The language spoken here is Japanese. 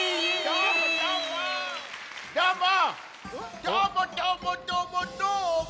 どーもどーもどーもどーも！